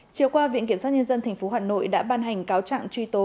chiều qua viện kiểm sát nhân dân tp hà nội đã ban hành cáo trạng truy tố